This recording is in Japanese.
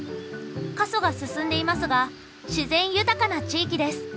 過疎が進んでいますが自然豊かな地域です。